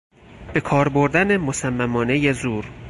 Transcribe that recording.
به کار بردن مصممانهی زور